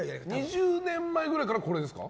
２０年前くらいからこれですか。